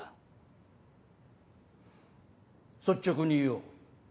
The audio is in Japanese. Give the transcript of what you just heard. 率直に言おう。